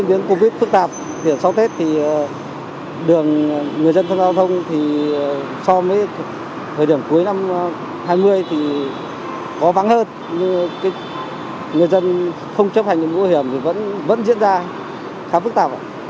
do với thời điểm cuối năm hai nghìn hai mươi thì có vắng hơn nhưng người dân không chấp hành những nguy hiểm thì vẫn diễn ra khá phức tạp